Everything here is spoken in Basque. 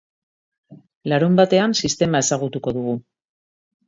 Larunbatean sistema ezagutuko dugu.